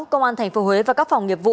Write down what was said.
công an tp huế và các phòng nghiệp vụ